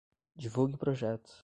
Divulgue o projeto!